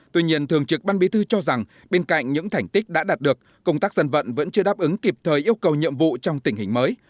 tuy nhiên thường trực ban bí thư cho rằng bên cạnh những thành tích đã đạt được công tác dân vận vẫn chưa đáp ứng kịp thời yêu cầu nhiệm vụ trong tình hình mới